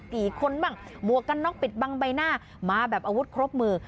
กี่คนบ้างหมวกกันน็อกปิดบังใบหน้ามาแบบอาวุธครบมือ